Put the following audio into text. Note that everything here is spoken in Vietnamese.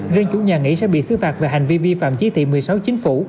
riêng chủ nhà nghỉ sẽ bị xứ phạt về hành vi vi phạm chỉ thị một mươi sáu chính phủ